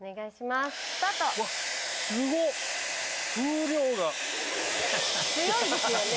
スタート風量が強いですよね